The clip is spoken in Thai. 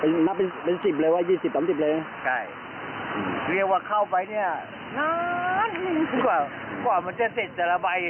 นับเป็น๑๐เลยว่า๒๐๓๐เลย